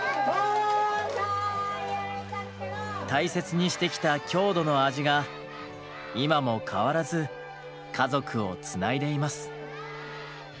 大切にしてきた郷土の味が今も変わらず家族をつないでいます。